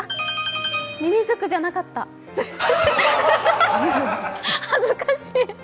みみずくじゃなかった、恥ずかしい。